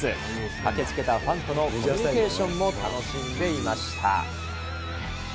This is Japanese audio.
駆けつけたファンとのコミュニケーションも楽しんでいました。